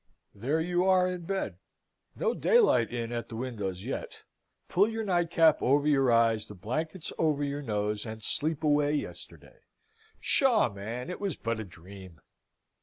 There you are, in bed. No daylight in at the windows yet. Pull your nightcap over your eyes, the blankets over your nose, and sleep away Yesterday. Psha, man, it was but a dream!